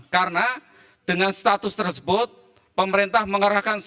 karena dengan status tersebut pemerintah mengarahkan segera